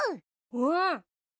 うん。